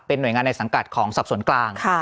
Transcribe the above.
เป็นหน่วยงานในสังกัดของศัพท์ส่วนกลาง